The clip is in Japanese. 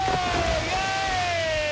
イエーイ